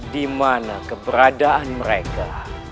dimana keberadaan mereka